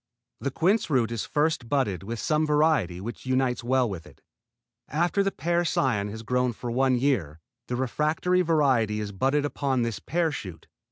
The quince root is first budded with some variety which unites well with it. After this pear cion has grown one year, the refractory variety is budded upon this pear shoot.